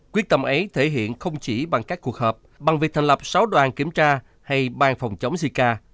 quyết tâm ấy thể hiện không chỉ bằng các cuộc họp bằng việc thành lập sáu đoàn kiểm tra hay bang phòng chống zika